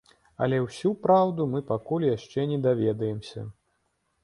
Але ўсю праўду мы пакуль яшчэ не даведаемся.